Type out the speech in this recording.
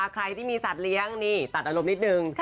ใครที่มีสัตว์เลี้ยงนี่ตัดอารมณ์นิดนึง